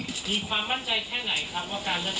มีความมั่นใจแค่ไหนครับว่าการเลือกตั้ง